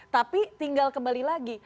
tapi tinggal kembali lagi